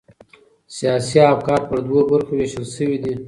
سیاسي افکار پر دوو برخو وېشل سوي دي.